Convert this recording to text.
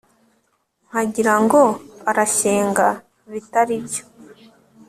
nkagira ngo arashyenga bitaribyo